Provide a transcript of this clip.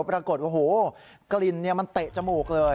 ปรากฏโอ้โหกลิ่นมันเตะจมูกเลย